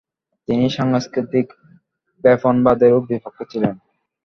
তিনি সাংস্কৃতিক ব্যাপনবাদেরও বিপক্ষে ছিলেন।